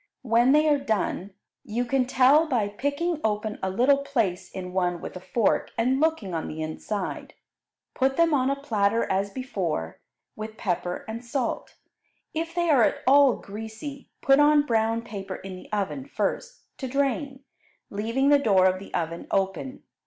When they are done, you can tell by picking open a little place in one with a fork and looking on the inside, put them on a platter as before, with pepper and salt. If they are at all greasy, put on brown paper in the oven first, to drain, leaving the door of the oven open.